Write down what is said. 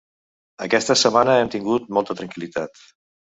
Aquesta setmana hem tingut molta tranquil·litat.